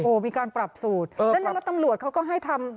โอ้มีการปรับสูตรดังนั้นตำรวจเขาก็ให้ทำ